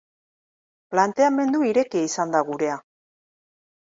Planteamendu irekia izan da gurea.